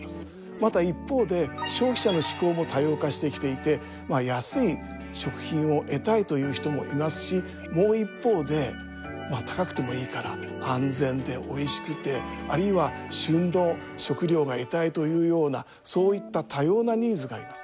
また一方で消費者の嗜好も多様化してきていて安い食品を得たいという人もいますしもう一方で高くてもいいから安全でおいしくてあるいは旬の食料が得たいというようなそういった多様なニーズがあります。